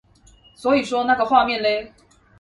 所以說那個畫面勒？